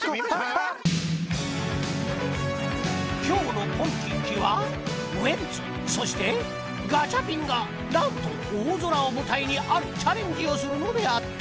［今日の『ポンキッキ』はウエンツそしてガチャピンが何と大空を舞台にあるチャレンジをするのであった］